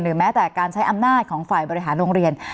แม้แต่การใช้อำนาจของฝ่ายบริหารโรงเรียน